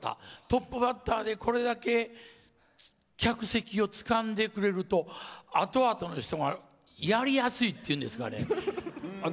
トップバッターでこれだけ客席をつかんでくれるとあとあとの人がやりやすいっていうんですかね。